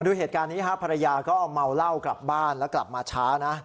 ดูเหตุการณ์นี้ครับภรรยาก็เอาเมาเหล้ากลับบ้านแล้วกลับมาช้านะ